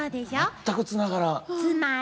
全くつながらん。